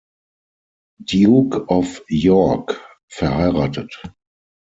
Duke of York, verheiratet.